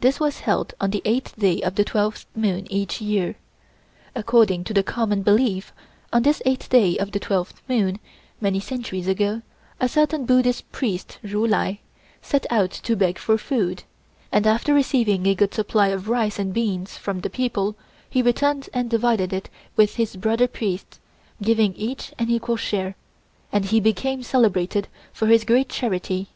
This was held on the 8th day of the twelfth moon each year. According to the common belief, on this eighth day of the twelfth moon, many centuries ago, a certain Buddhist priest Ju Lai set out to beg for food, and after receiving a good supply of rice and beans from the people, he returned and divided it with his brother priests, giving each an equal share, and he became celebrated for his great charity.